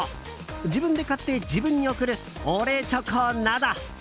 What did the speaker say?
自分で買って自分に贈る俺チョコなど。